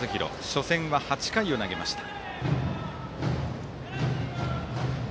初戦は８回を投げました。